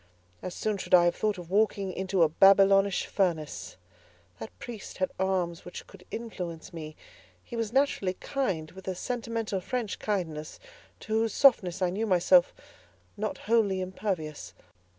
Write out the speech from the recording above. As soon should I have thought of walking into a Babylonish furnace. That priest had arms which could influence me: he was naturally kind, with a sentimental French kindness, to whose softness I knew myself not wholly impervious.